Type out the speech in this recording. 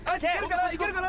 いけるかな？